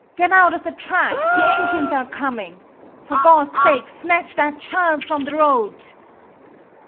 "Get out of the track! The engines are coming! For God's sake, snatch that child from the road!"